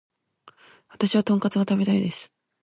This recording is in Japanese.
私はトンカツが食べたいです